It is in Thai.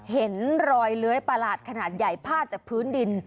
เห็นรอยเลื้อยประหลาดขนาดใหญ่พาดจากพื้นดิน